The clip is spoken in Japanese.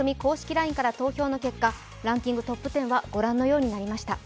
ＬＩＮＥから投票の結果、ランキングトップ１０はご覧のようになりました。